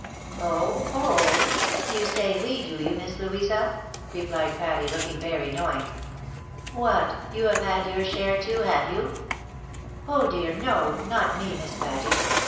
" Oh ! oh !— You say we, do you. Miss Louisa ?" rephed Patty, looking very knowing. " What, you have had your share, too, have you ?"" Oh dear, no !— Not me. Miss Patty.